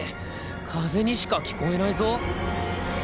風にしか聞こえないぞ。